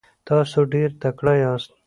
تاسو ډیر تکړه یاست.